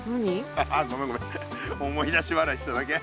ああごめんごめん思い出しわらいしただけ。